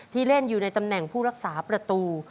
เล่นอยู่ในตำแหน่งผู้รักษาประตู